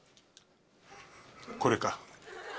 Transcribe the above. これか？